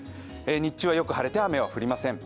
日中はよく晴れて雨は降りません。